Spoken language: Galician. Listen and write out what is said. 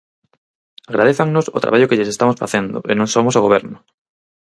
Agradézannos o traballo que lles estamos facendo e non somos o Goberno.